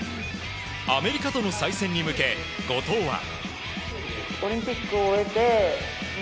アメリカとの再戦に向け後藤は。